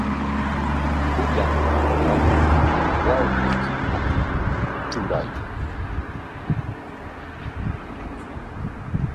Pullan tantata wawqiykipaq truray.